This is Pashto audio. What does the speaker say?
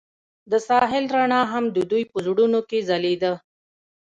د ساحل رڼا هم د دوی په زړونو کې ځلېده.